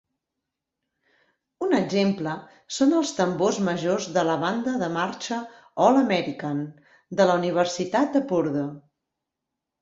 Un exemple són els tambors majors de la banda de marxa "All-American" de la Universitat de Purdue.